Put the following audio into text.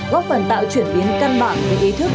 góp phần tạo chuyển biến căn bản về ý thức